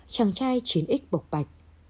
chàng trai chiến ích bộc bạch